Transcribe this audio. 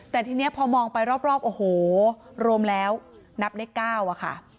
แต่ทีนี้พอมองไปรอบโอ้โหรวมแล้วนับเลข๙อะค่ะ